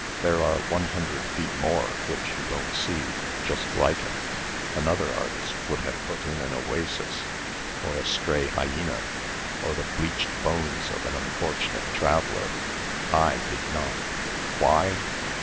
"There are one hundred feet more, which you don't see, just like it. Another artist would have put in an oasis, or a stray hyena, or the bleached bones of an unfortunate traveller. I did not. Why?